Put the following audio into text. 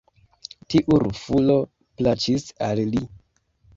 Tiu rufulo plaĉis al li.